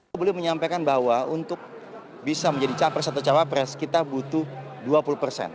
publik menyampaikan bahwa untuk bisa menjadi capres atau cawapres kita butuh dua puluh persen